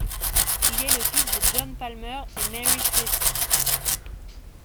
Il est le fils de John Palmer et Mary Cressy.